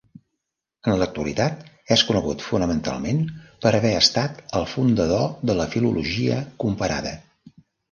En l'actualitat, és conegut fonamentalment per haver estat el fundador de la filologia comparada.